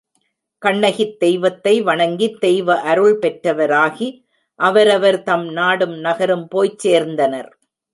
கண்ணகித் தெய்வத்தை வணங்கித் தெய்வ அருள் பெற்றவராகி அவரவர்தம் நாடும் நகரும் போய்ச் சேர்ந்தனர்.